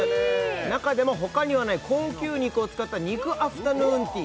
中でも他にはない高級肉を使った肉アフタヌーンティー